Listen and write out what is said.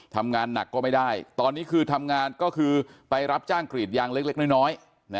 ทำงานหนักก็ไม่ได้ตอนนี้คือทำงานก็คือไปรับจ้างกรีดยางเล็กน้อย